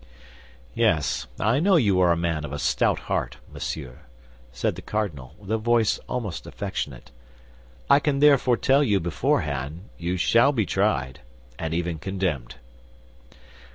"Yes, I know you are a man of a stout heart, monsieur," said the cardinal, with a voice almost affectionate; "I can therefore tell you beforehand you shall be tried, and even condemned."